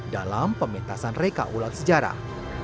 dalam pementasan reka ulat sejarah